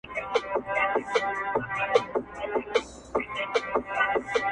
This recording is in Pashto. سلطنت یې له کشمیره تر دکن وو!